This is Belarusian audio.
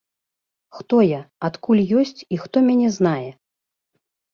Хто я, адкуль ёсць і хто мяне знае?